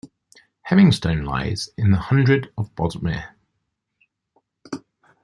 Hemingstone lies in the hundred of Bosmere.